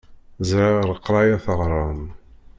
Ẓriɣ leqṛaya teɣṛam.